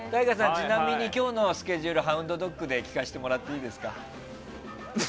ちなみに今日のスケジュールをＨＯＵＮＤＤＯＧで聴かせてもらっていいですか？